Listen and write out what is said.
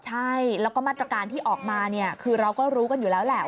ใช่แล้วก็มาตรการที่ออกมาเนี่ยคือเราก็รู้กันอยู่แล้วแหละ